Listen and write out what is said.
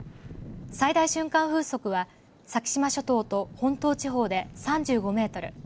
最大瞬間風速は先島諸島と本島地方で３５メートル。